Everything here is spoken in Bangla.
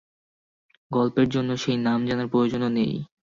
গল্পের জন্যে সেই নাম জানার প্রয়োজনও নেই।